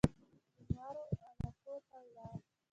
شینوارو علاقو ته ولاړ.